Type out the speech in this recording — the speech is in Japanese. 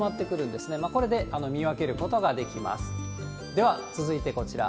では続いてこちら。